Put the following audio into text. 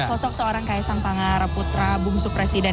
sosok seorang kaisang pangara putra bungsu presiden